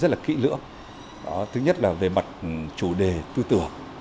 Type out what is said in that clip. rất là kỹ lưỡng thứ nhất là về mặt chủ đề tư tưởng